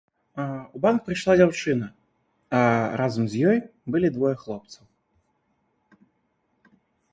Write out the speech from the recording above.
У банк прыйшла дзяўчына, а разам з ёй былі двое хлопцаў.